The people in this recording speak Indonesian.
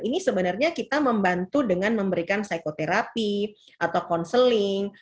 ini sebenarnya kita membantu dengan memberikan psikoterapi atau counseling